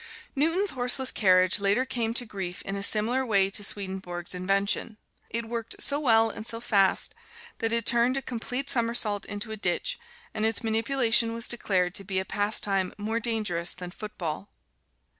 Newton's horseless carriage later came to grief in a similar way to Swedenborg's invention it worked so well and so fast that it turned a complete somersault into a ditch, and its manipulation was declared to be a pastime more dangerous than football.